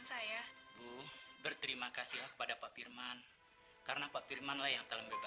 sampai jumpa di video selanjutnya